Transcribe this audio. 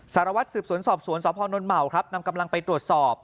สารวัตรศึกษวนสอบสวนสพมนำกำลังไปตรวจสอบ